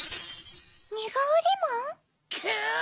ニガウリマン？ク！